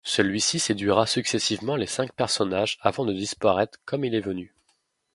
Celui-ci séduira successivement les cinq personnages avant de disparaître comme il est venu.